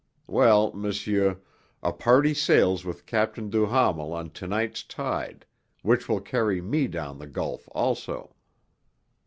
Well, monsieur, a party sails with Captain Duhamel on tonight's tide, which will carry me down the gulf also.